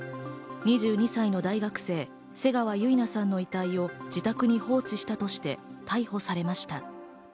２２歳の大学生・瀬川結菜さんの遺体を自宅に放置したとして逮捕されました。